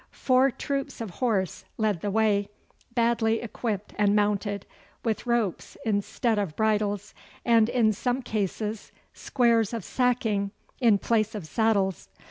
Four troops of horse led the way, badly equipped and mounted, with ropes instead of bridles, and in some cases squares of sacking in place of saddles.